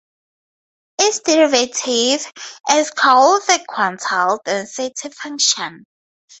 Its derivative is called the quantile density function.